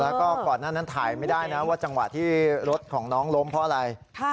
แล้วก็ก่อนหน้านั้นถ่ายไม่ได้นะว่าจังหวะที่รถของน้องล้มเพราะอะไร